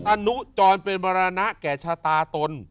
ตานุจรเป็นบรรณะแก่ชาตาตน